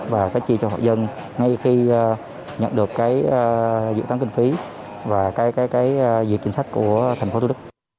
và phải chia cho họ dân ngay khi nhận được cái dự tán kinh phí và cái dịch chính sách của thành phố thu đức